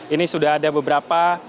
ini sudah ada beberapa